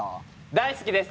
大好きですか？